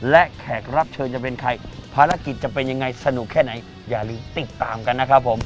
และแขกรับเชิญจะเป็นใครภารกิจจะเป็นยังไงสนุกแค่ไหนอย่าลืมติดตามกันนะครับผม